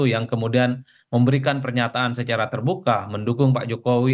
yang kemudian memberikan pernyataan secara terbuka mendukung pak jokowi